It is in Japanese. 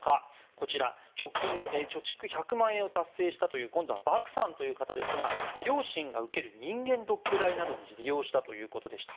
こちら、貯蓄１００万円を達成したという今度はバクさんという方ですが両親が受ける人間ドック代などに利用したということでした。